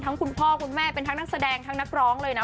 คุณพ่อคุณแม่เป็นทั้งนักแสดงทั้งนักร้องเลยนะ